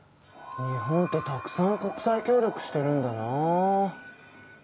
日本ってたくさん国際協力してるんだな。